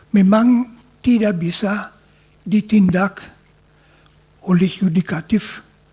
memang tidak bisa ditindak oleh yudikatif